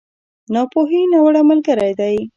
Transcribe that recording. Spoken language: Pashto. ناپوهي، ناوړه ملګری دی.